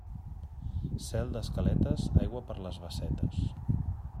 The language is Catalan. Cel d'escaletes, aigua per les bassetes.